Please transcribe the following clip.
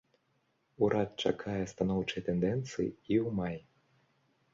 Урад чакае станоўчай тэндэнцыі і ў маі.